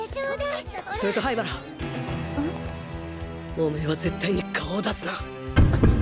オメーは絶対に顔を出すな！